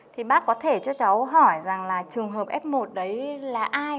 thì bác có thể cho cháu hỏi rằng là trường hợp f một đấy là ai